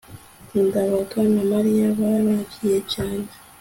ndabaga na mariya baragiye cyane